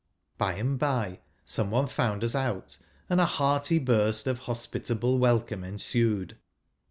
By and bye, some one found us out, and a hearty burst of hos j pitable welcome ensued.